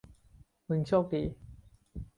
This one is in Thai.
มึงโชคดี